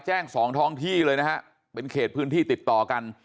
สองท้องที่เลยนะฮะเป็นเขตพื้นที่ติดต่อกัน